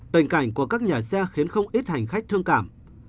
tình cảnh của các nhà xe khiến không ít hành khách thương cảm